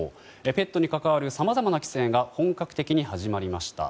ペットに関わるさまざまな規制が本格的に始まりました。